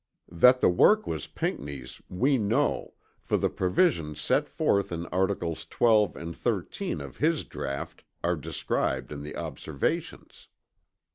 That the work was Pinckney's we know, for the provisions set forth in articles 12 and 13 of his draught are described in the Observations.